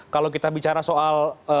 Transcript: kalau kita bicara soal